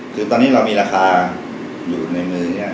คือตอนนี้เรามีราคาอยู่ในมือเนี่ย